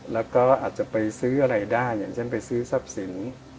แล้วก็อาจจะไปซื้ออะไรได้อย่างเช่นไปซื้อทรัพย์สิน